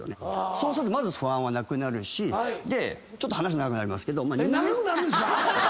そうするとまず不安はなくなるしちょっと話長くなりますけど。